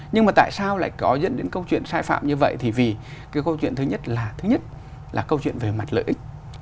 nhưng mà tại sao lại có dẫn đến câu chuyện sai phạm như vậy thì vì cái câu chuyện thứ nhất là thứ nhất là câu chuyện về mặt lợi ích